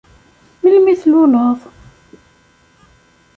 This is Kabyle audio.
Melmi tluleḍ?